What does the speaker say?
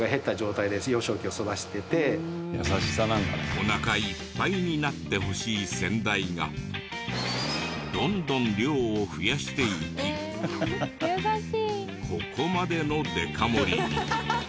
おなかいっぱいになってほしい先代がどんどん量を増やしていきここまでのでか盛りに。